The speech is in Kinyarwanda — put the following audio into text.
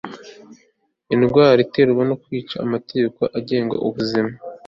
indwara iterwa no kwica amategeko agenga ubuzima